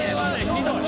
ひどい。